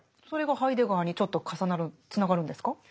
それがハイデガーにちょっと重なるつながるんですか？